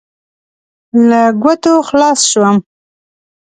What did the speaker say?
له ګوتو خلاص شوم.